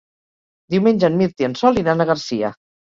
Diumenge en Mirt i en Sol iran a Garcia.